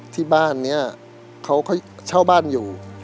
ที่บ้านนี้เขาเช่าบ้านอยู่